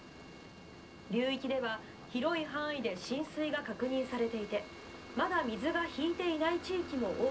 流域では広い範囲で浸水が確認されていてまだ水がひいていない地域も多くあります。